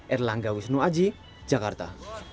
erlangga wisnu aji jakarta